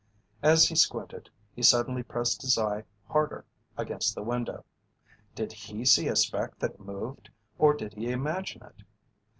As he squinted, he suddenly pressed his eye harder against the window. Did he see a speck that moved or did he imagine it?